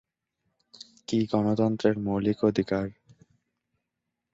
কি গণতন্ত্রের মৌলিক অধিকার?